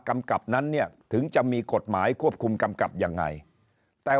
กำกับนั้นเนี่ยถึงจะมีกฎหมายควบคุมกำกับยังไงแต่